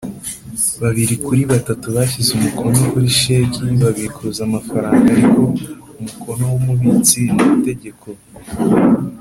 Babiri kuri batatu bashyize umukono kuri sheki babikuza amafaranga ariko umukono w’Umubitsi ni itegeko.